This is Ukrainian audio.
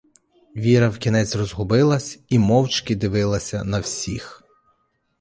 Віра в кінець розгубилась і мовчки дивилася на всіх.